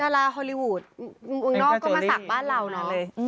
ดาราฮอลลีวูดอุ้งนอกก็มาศักดิ์บ้านเราน่ะ